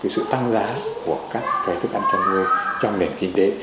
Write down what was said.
sự tăng giá của các thức ăn chăn nuôi trong nền kinh tế